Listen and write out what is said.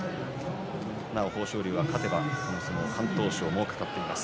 なお豊昇龍は勝てばこの相撲敢闘賞もかかっています。